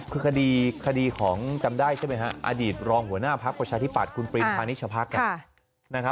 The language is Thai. คือคดีของจำได้ใช่ไหมฮะอดีตรองหัวหน้าพักประชาธิปัตย์คุณปรินพานิชพัก